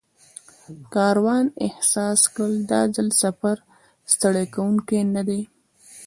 کاروان احساس کړ دا ځل سفر ستړی کوونکی نه دی.